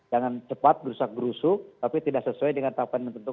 jangan cepat berusak berusuk tapi tidak sesuai dengan tahapan yang telah ditentukan